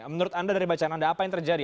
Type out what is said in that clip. menurut anda dari bacaan anda apa yang terjadi